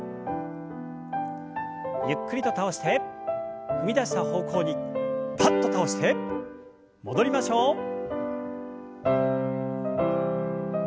ゆっくりと倒して踏み出した方向にパッと倒して戻りましょう。